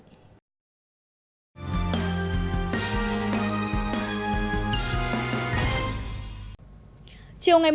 tiếng nói việt nam